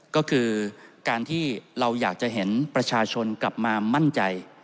ก็คือการที่เราอยากจะเห็นประชาชนกลับมามั่นใจ